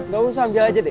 gak usah ambil aja deh